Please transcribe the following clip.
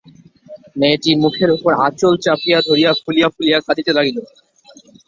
মেয়েটি মুখের উপর আঁচল চাপিয়া ধরিয়া ফুলিয়া ফুলিয়া কাঁদিতে লাগিল।